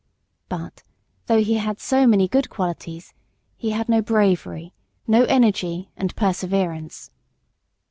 But, though he had so many good qualities, he had no bravery, no energy and perseverance.